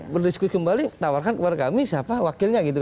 berdiskusi kembali tawarkan kepada kami siapa wakilnya gitu